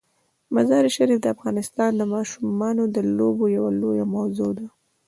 مزارشریف د افغانستان د ماشومانو د لوبو یوه لویه موضوع ده.